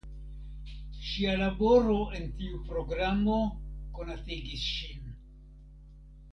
Ŝia laboro en tiu programo konatigis ŝin.